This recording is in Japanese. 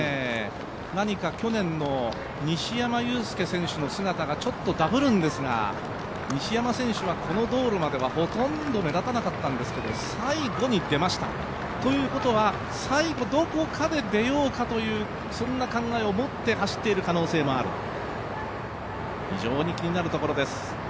何か去年の西山雄介選手の姿がちょっとダブるんですが西山選手はこの道路までは、ほとんど目立たなかったんですけど、最後に出ました、ということは最後どこかで出ようかというそんな考えを持って走っている可能性もある、非常に気になるところです。